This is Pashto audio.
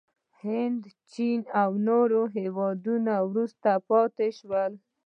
هند، چین او نور هېوادونه وروسته پاتې شول.